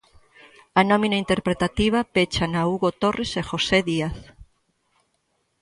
A nómina interpretativa péchana Hugo Torres e José Díaz.